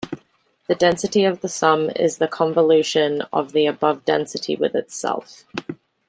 The density of the sum is the convolution of the above density with itself.